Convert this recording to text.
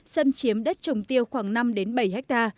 xâm chiếm đất trồng tiêu khoảng năm bảy ha